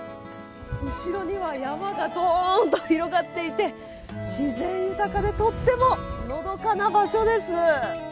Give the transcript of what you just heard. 後ろには山がどーんと広がっていて自然豊かでとってものどかな場所です。